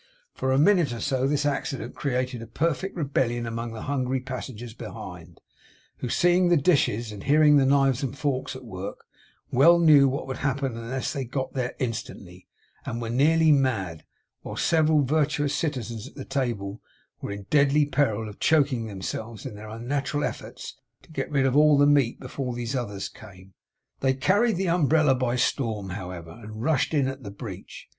For a minute or so this accident created a perfect rebellion among the hungry passengers behind, who, seeing the dishes, and hearing the knives and forks at work, well knew what would happen unless they got there instantly, and were nearly mad; while several virtuous citizens at the table were in deadly peril of choking themselves in their unnatural efforts to get rid of all the meat before these others came. They carried the umbrella by storm, however, and rushed in at the breach.